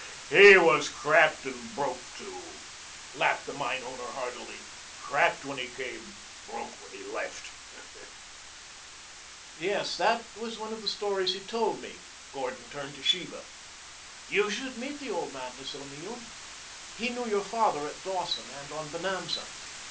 "He was cracked and broke too," laughed the mine owner hardily. "Cracked when he came, broke when he left." "Yes, that was one of the stories he told me." Gordon turned to Sheba. "You should meet the old man, Miss O'Neill. He knew your father at Dawson and on Bonanza."